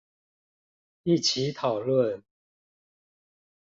一起討論